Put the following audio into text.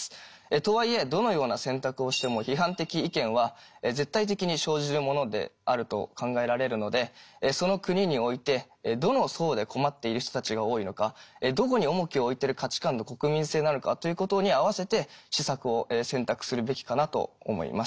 とはいえどのような選択をしても批判的意見は絶対的に生じるものであると考えられるのでその国においてどの層で困っている人たちが多いのかどこに重きを置いてる価値観の国民性なのかということに合わせて施策を選択するべきかなと思います。